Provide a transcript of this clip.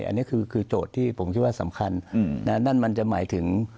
อันนี้คือโจทย์ที่ผมคิดว่าสำคัญนั่นมันจะหมายถึง